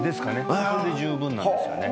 それで十分なんですよね